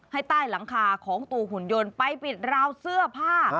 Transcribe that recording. ให้ใต้หลังคาของตัวหุ่นยนต์ไปปิดราวเสื้อผ้า